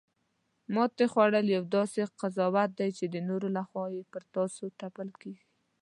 ماتې خوړل یو داسې قضاوت دی چې د نورو لخوا پر تاسې تپل کیږي